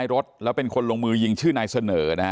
มีรถกระบะจอดรออยู่นะฮะเพื่อที่จะพาหลบหนีไป